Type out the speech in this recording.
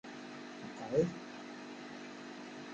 Meqqrit?